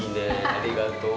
ありがとう。